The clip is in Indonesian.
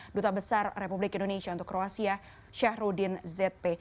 duta besar republik indonesia untuk kroasia syahrudin z p